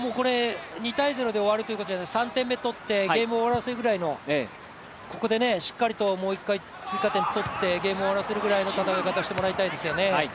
２−０で終わるんじゃなくて３点目取ってゲームを終わらせるぐらいのここでしっかりともう一回、追加点を取って、ゲームを終わらせるぐらいの戦い方をしてほしいですよね。